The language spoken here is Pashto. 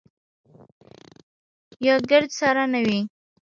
یا ګرد سره نه وي.